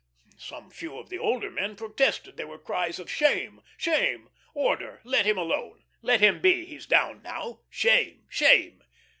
Some few of the older men protested. There were cries of: "Shame, shame!" "Order let him alone." "Let him be; he's down now. Shame, shame!"